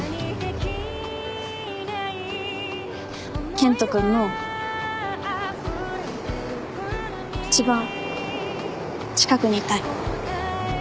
健人君の一番近くにいたい。